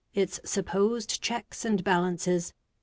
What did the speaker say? ITS SUPPOSED CHECKS AND BALANCES.